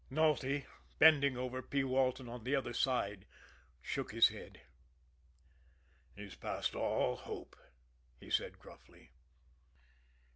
Nulty, bending over P. Walton on the other side, shook his head. "He's past all hope," he said gruffly.